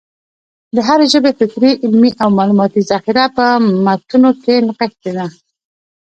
د هري ژبي فکري، علمي او معلوماتي ذخیره په متونو کښي نغښتې ده.